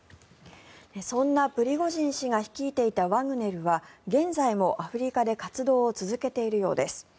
そんなプリゴジン氏が率いていたワグネルは現在もアフリカで活動を続けているようです。